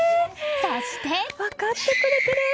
そして。